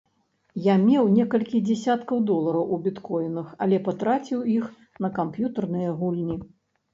Я меў некалькі дзясяткаў долараў у біткоінах, але патраціў іх на камп'ютарныя гульні.